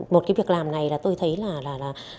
một cái việc làm này tôi thấy là